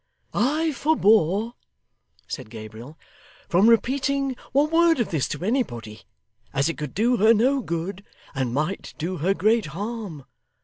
'I forbore,' said Gabriel, 'from repeating one word of this to anybody, as it could do her no good and might do her great harm.